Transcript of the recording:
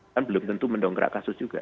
kan belum tentu mendongkrak kasus juga